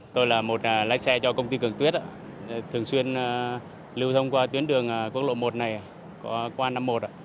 tôi là một lái xe cho công ty cường tuyết thường xuyên lưu thông qua tuyến đường quốc lộ một này qua năm mươi một